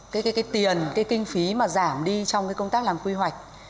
cái tiền cái kinh phí mà giảm đi trong cái công tác làm quy hoạch